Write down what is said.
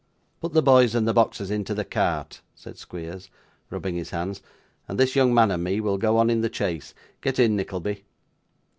'Put the boys and the boxes into the cart,' said Squeers, rubbing his hands; 'and this young man and me will go on in the chaise. Get in, Nickleby.